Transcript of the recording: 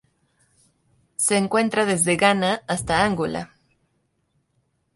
Se encuentra desde Ghana hasta Angola.